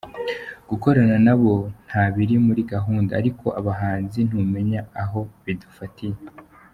Gukorana na bo, nta biri muri gahunda, ariko abahanzi ntumenya aho bidufatiye.